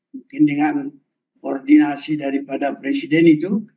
mungkin dengan koordinasi daripada presiden itu